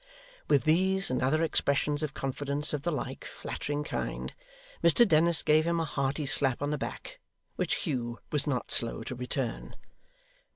With these and other expressions of confidence of the like flattering kind, Mr Dennis gave him a hearty slap on the back, which Hugh was not slow to return.